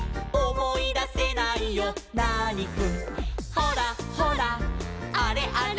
「ほらほらあれあれ」